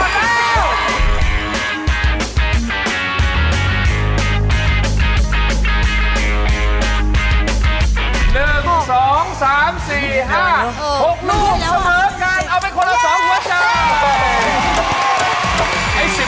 ๑๒๓๔๕๖ลูกเสมอกันเอาเป็นคนละ๒หัวจ่าย